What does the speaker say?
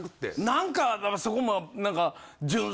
何かそこも何か。